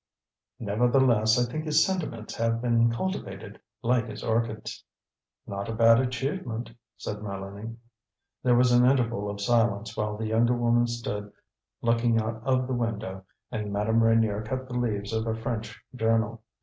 "Nevertheless, I think his sentiments have been cultivated, like his orchids." "Not a bad achievement," said Mélanie. There was an interval of silence, while the younger woman stood looking out of the window and Madame Reynier cut the leaves of a French journal.